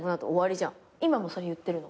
今もそれ言ってるの？